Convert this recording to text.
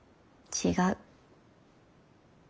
違う？